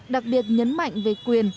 đặc biệt nhấn mạnh về quyền